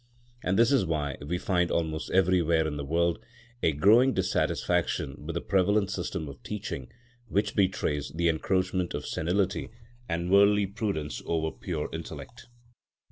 And this is why we find almost everywhere in the world a growing dissatisfaction with the prevalent system of teaching, which betrays the encroachment of senility and worldly prudence over pure intellect.